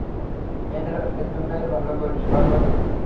মেয়েরা, ফেজি ভাইয়ের ভালো করে সেবা করবে।